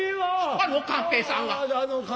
あの勘平さんは。